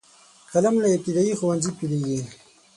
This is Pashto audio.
قلم له ابتدايي ښوونځي پیلیږي.